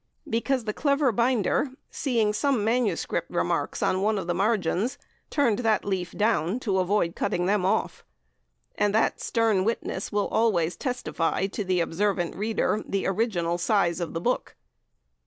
because the clever binder, seeing some MS. remarks on one of the margins, turned the leaf down to avoid cutting them off, and that stern witness will always testify, to the observant reader, the original size of the book.